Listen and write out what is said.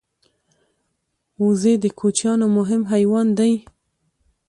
وزې د کوچیانو مهم حیوان دی